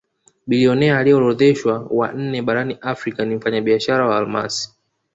Bilionea aliyeorodheshwa wa nne barani Afrika ni mfanyabiashara wa almasi